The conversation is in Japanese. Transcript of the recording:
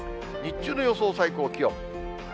日中の予想最高気温。